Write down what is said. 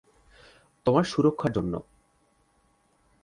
তোমার সুরক্ষার জন্য।